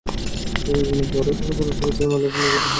এ রজনীর পরেও তারা পরস্পরে প্রেমালাপে মিলিত হয়।